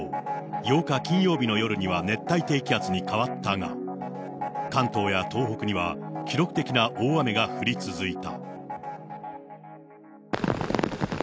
８日金曜日の夜には熱帯低気圧に変わったが、関東や東北には記録的な大雨が降り続いた。